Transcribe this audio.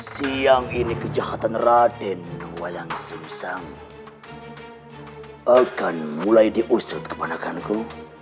siang ini kejahatan raden walang sungsang akan mulai diusir ke manakanku